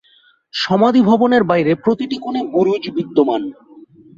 সমাধি ভবনের বাইরে প্রতিটি কোণে বুরুজ বিদ্যমান।